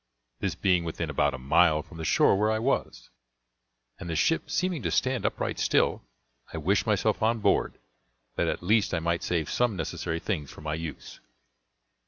This being within about a mile from the shore where I was, and the ship seeming to stand upright still, I wished myself on board, that at least I might save some necessary things for my use.